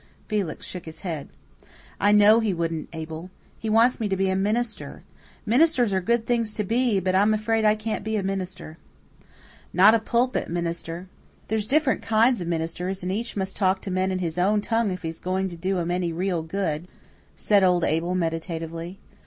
Felix shook his head. "I know he wouldn't, Abel. He wants me to be a minister. Ministers are good things to be, but I'm afraid I can't be a minister." "Not a pulpit minister. There's different kinds of ministers, and each must talk to men in his own tongue if he's going to do 'em any real good," said old Abel meditatively.